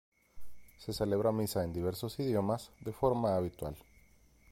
Se celebra misa en diversos idiomas de forma habitual.